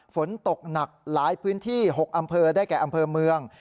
ฝนตกหนักหลายพื้นที่๖อำเภอได้แก่อำเภอเมือง